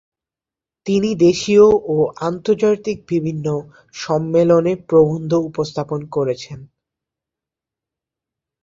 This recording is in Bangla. তিনি দেশীয় ও আন্তর্জাতিক বিভিন্ন সম্মেলনে প্রবন্ধ উপস্থাপন করেছেন।